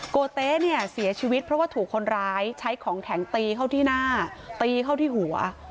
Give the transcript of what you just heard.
โกเต๊เนี่ยเสียชีวิตเพราะว่าถูกคนร้ายใช้ของแข็งตีเข้าที่หน้าตีเข้าที่หัว